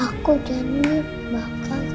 aku jadi bakal doain papa